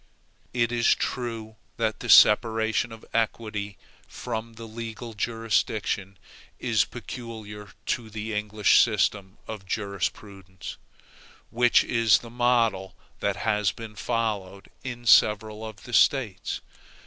It is true that the separation of the equity from the legal jurisdiction is peculiar to the English system of jurisprudence: which is the model that has been followed in several of the States.